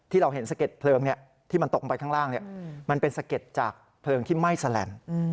ที่เราเห็นเสร็จเพลิงที่มันตกไปข้างล่างมันเป็นเสร็จจากเพลิงที่ไหม้แสลน